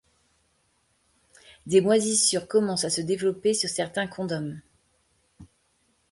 Des moisissures commencent à se développer sur certains condoms.